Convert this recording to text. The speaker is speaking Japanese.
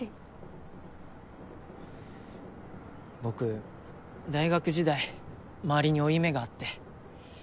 僕大学時代周りに負い目があって。